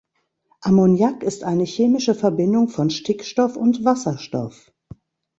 Ammoniak ist eine chemische Verbindung von Stickstoff und Wasserstoff.